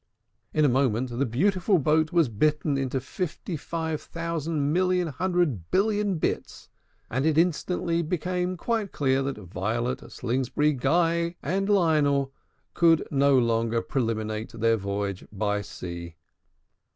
In a moment, the beautiful boat was bitten into fifty five thousand million hundred billion bits; and it instantly became quite clear that Violet, Slingsby, Guy, and Lionel could no longer preliminate their voyage by sea.